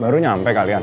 baru nyampe kalian